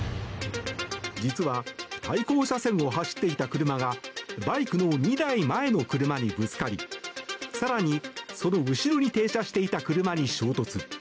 実は対向車線を走っていた車がバイクの２台前の車にぶつかり更に、その後ろに停車していた車に衝突。